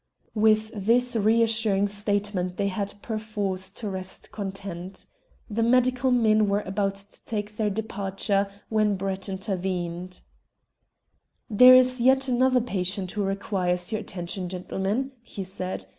With this reassuring statement they had perforce to rest content. The medical men were about to take their departure when Brett intervened. "There is yet another patient who requires your attention, gentlemen," he said.